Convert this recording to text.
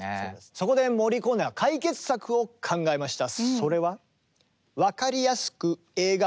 そこでモリコーネは解決策を考えました。